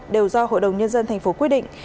đều do hội đồng nhân dân tp hcm quyết định